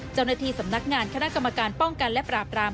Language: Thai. เจ้าหน้าที่สำนักงานคณะกรรมการป้องกันและปราบราม